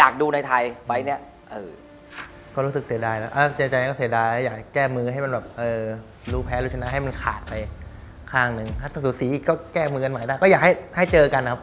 ก็แก้มือเงินใหม่ได้ก็อยากให้เจอกันนะครับ